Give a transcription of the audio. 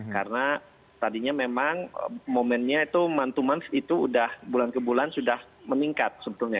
karena tadinya memang momennya itu month to month itu udah bulan ke bulan sudah meningkat sebetulnya